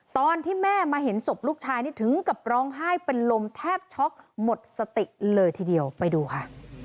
ตอนที่แม่มาเห็นศพลูกชายนี่ถึงกับร้องไห้เป็นลมแทบช็อกหมดสติเลยทีเดียวไปดูค่ะ